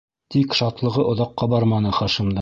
Тик шатлығы оҙаҡҡа барманы Хашимдың.